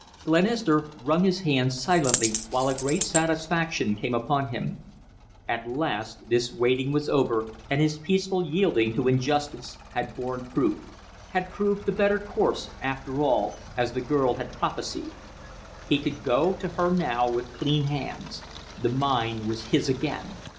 Glenister wrung his hand silently while a great satisfaction came upon him. At last this waiting was over and his peaceful yielding to injustice had borne fruit; had proven the better course after all, as the girl had prophesied. He could go to her now with clean hands. The mine was his again.